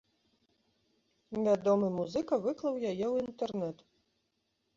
Вядомы музыка выклаў яе ў інтэрнэт.